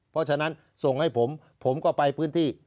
เพราะฉะนั้นส่งให้ผมผมก็ไปพื้นที่